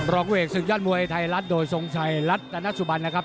รองเวกซึ่งย่านมวยไทยรัฐโดยทรงชัยรัฐนัทสุบันนะครับ